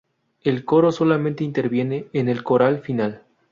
El coro solamente interviene en el coral final.